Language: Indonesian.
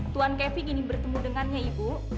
tuan keving ini bertemu dengannya ibu